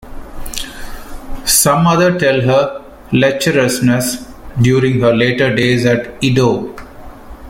Some other tell her lecherousness during her later days at Edo.